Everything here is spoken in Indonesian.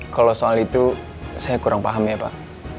kalau soal itu saya kurang paham ya pak